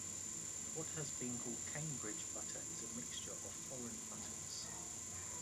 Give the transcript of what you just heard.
What has been called Cambridge butter is a mixture of foreign butters.